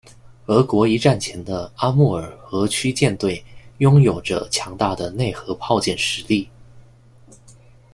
俄国一战前的阿穆尔河区舰队拥有着强大的内河炮舰实力。